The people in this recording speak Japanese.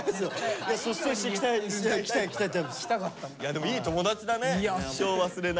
でもいい友達だね。